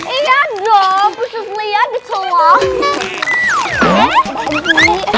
iya dong prinses lia diseluruhnya